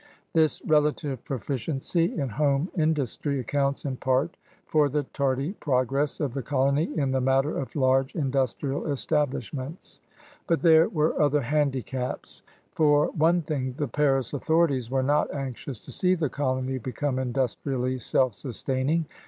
This relative proficiency in home industry accounts in part for the tardy progress of the col ony in the matter of large industrial establish ments. But there were other handicaps. For AGRICULTURE, INDUSTRY, AND TRADE 195 one thing, the Paris authorities were not anxious to see the colony become industrially self sustain ing.